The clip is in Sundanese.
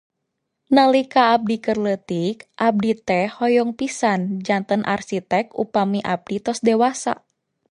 Nalika abdi keur leutik, abdi teh hoyong pisan janten arsitek upami abdi tos dewasa.